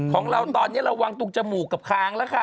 ของเราตอนนี้ระวังตรงจมูกกับค้างแล้วค่ะ